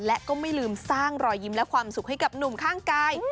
และก็ไม่ลืมสร้างรอยยิ้มและความสุขให้กับหนุ่มข้างกาย